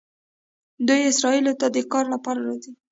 دوی اسرائیلو ته د کار لپاره راځي.